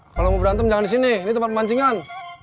kalau mau berantem jangan sini teman mancingan